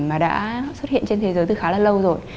mà đã xuất hiện trên thế giới từ khá là lâu rồi